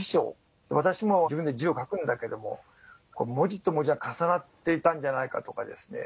私も自分で字を書くんだけども文字と文字が重なっていたんじゃないかとかですね